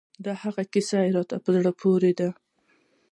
د هغه کیسې راته په زړه پورې دي.